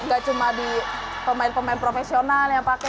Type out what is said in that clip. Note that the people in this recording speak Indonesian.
gak cuma di pemain pemain profesional yang pakai